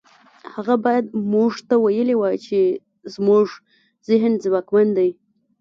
هغه بايد موږ ته ويلي وای چې زموږ ذهن ځواکمن دی.